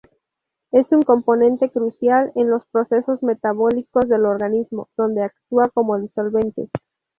Es un componente crucial en los procesos metabólicos del organismo, donde actúa como disolvente.